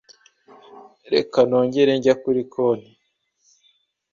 Reka nongere njya kuri konti.